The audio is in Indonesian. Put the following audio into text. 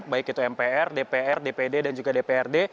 baik itu mpr dpr dpd dan juga dprd